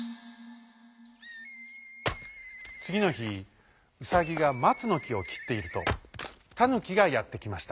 つぎのひウサギがまつのきをきっているとタヌキがやってきました。